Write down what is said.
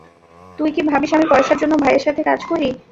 তুই কি ভাবিস আমি পয়সার জন্য ভাইয়ের সাথে কাজ করি?